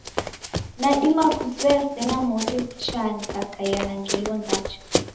Nadima kuzoya sena mori ghuchaa nikakaia na ngelo ndacha.